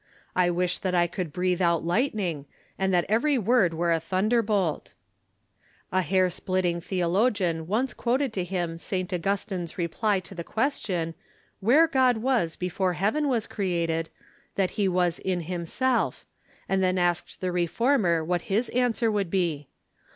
I wish that I could breathe out lightning, and that every word were a thunder bolt !" A hair splitting theologian once quoted to him St. Augustine's reply to the 15 226 THE KEFORMATION question, " Where God was before heaven was created ?" that he was in liimself ; and then asked the Reformer what his an swer would be.